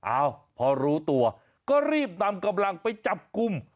อ้าวพอรู้ตัวก็รีบนำกำลังไปจับกลุ่ม